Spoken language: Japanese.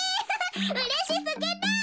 うれしすぎる！